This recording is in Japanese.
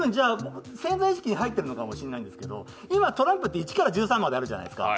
潜在意識に入っているのかもしれないんですけど今、トランプって１から１３まであるじゃないですか。